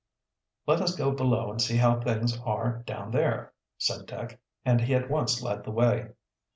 "Let us go below and see how things are down there," said Dick, and he at once led the way.